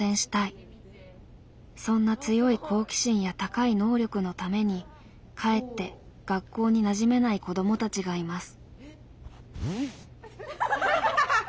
そんな強い好奇心や高い能力のためにかえって学校になじめない子どもたちがいます。